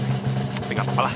tapi nggak apa apa lah